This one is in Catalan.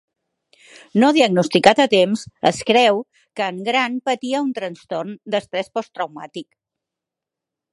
No diagnosticat a temps, es creu que en Grant patia un trastorn d'estrès posttraumàtic.